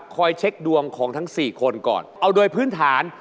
คอยเช็คดวงของทั้งสี่คนก่อนเอาโดยพื้นฐาน